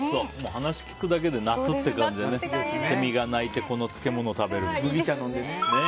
話聞くだけで夏って感じでセミが鳴いてこの漬物食べるみたいな。